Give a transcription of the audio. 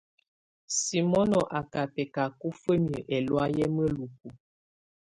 Simono á ná bɛcacɔ fǝ́miǝ́ ɛlɔ̀áyɛ́ mǝ́luku.